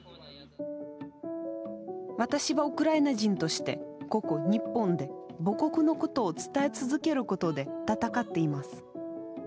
私はウクライナ人としてここ日本で、母国のことを伝え続けることで戦っています。